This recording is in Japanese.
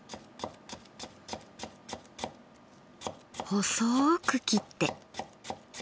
細く切って。